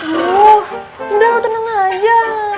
aduh udah aku tenang aja